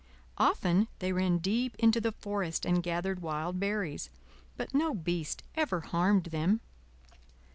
Often they ran deep into the forest and gathered wild berries; but no beast ever harmed them.